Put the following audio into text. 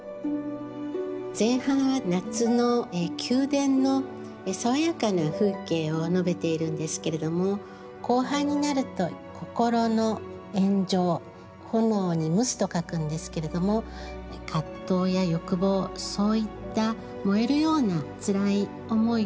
前半は夏の宮殿の爽やかな風景を述べているんですけれども後半になると心の炎蒸炎に蒸すと書くんですけれども葛藤や欲望そういった燃えるようなつらい思い